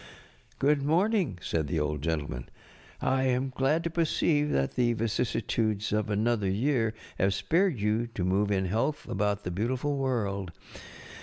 "Good morning, ŌĆØ said the Old Gentleman. ŌĆ£I am glad to perceive that the vicissitudes of another year have spared you to move in health about the beauti┬¼ ful world.